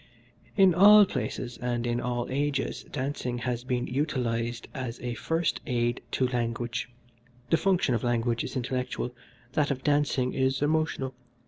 "In all places and in all ages dancing has been utilised as a first aid to language. The function of language is intellectual, that of dancing is emotional.